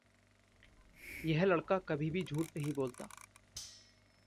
यह लड़का कभी भी झूठ नहीं बोलता।